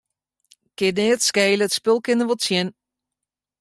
Kin neat skele, it spul kin der wol tsjin.